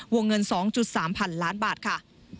วงเงิน๒๓๐๐๐ล้านบาทค่ะ